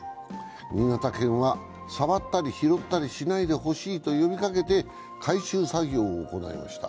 新潟県は、触ったり拾ったりしないでほしいと呼びかけて回収作業を行いました。